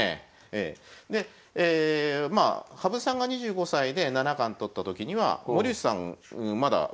でまあ羽生さんが２５歳で７冠取った時には森内さんまだ無冠で。